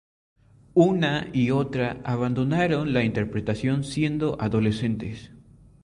Una y otra abandonaron la interpretación siendo adolescentes.